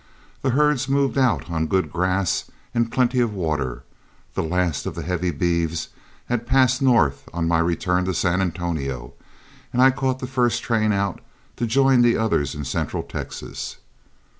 The herds moved out on good grass and plenty of water, the last of the heavy beeves had passed north on my return to San Antonio, and I caught the first train out to join the others in central Texas.